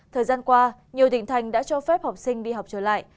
thời gian qua nhiều tỉnh thành đã cho phép học sinh đi học trở lại